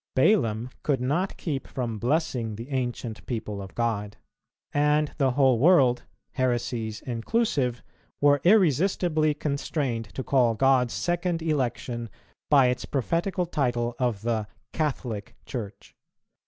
Balaam could not keep from blessing the ancient people of God; and the whole world, heresies inclusive, were irresistibly constrained to call God's second election by its prophetical title of the "Catholic" Church.